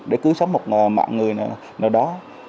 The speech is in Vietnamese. để cứu sống một mạng người nào đó